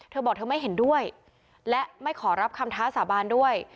เธอบอกเธอไม่เห็นด้วยและไม่ขอรับคำท้าสาบานด้วย